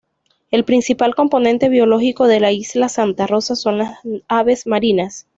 El principal componente biológico de la isla Santa Rosa son las aves marinas.